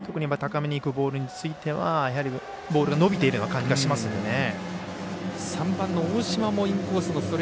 特に高めにいくボールについてはボールが伸びているような感じがしますもんね。